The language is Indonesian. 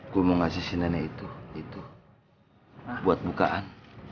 gue mau ngasih si nenek itu itu buat bukaan